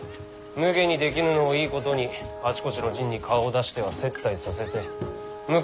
無下にできぬのをいいことにあちこちの陣に顔を出しては接待させて昔の自慢話をしとるらしい。